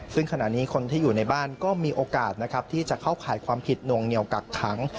ซึ่งขณะนี้คนที่อยู่ในบ้านก็มีโอกาสนะครับที่จะเข้าข่ายความผิดนวงเหนียวกักขัง